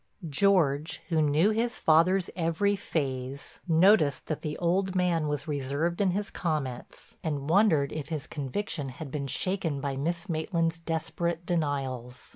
George, who knew his father's every phase, noticed that the old man was reserved in his comments, and wondered if his conviction had been shaken by Miss Maitland's desperate denials.